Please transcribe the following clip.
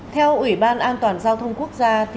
theo ủy ban an toàn giao thông quốc gia